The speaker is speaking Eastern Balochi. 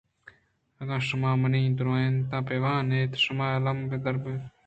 اگاں شما منی درونتاں بہ وان اِت شماالّم دربر اِت ۔